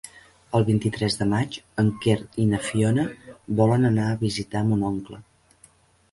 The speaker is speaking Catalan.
El vint-i-tres de maig en Quer i na Fiona volen anar a visitar mon oncle.